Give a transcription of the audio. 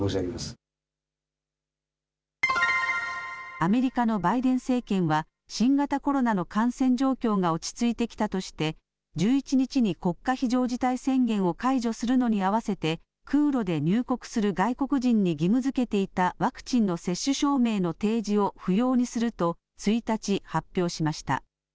アメリカのバイデン政権は新型コロナの感染状況が落ち着いてきたとして１１日に国家非常事態宣言を解除するのにあわせて空路で入国する外国人に義務づけていたワクチンの接種証明の提示を不要にすると１日、発表しました。